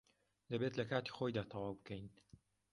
دەبێت لە کاتی خۆیدا تەواو بکەین.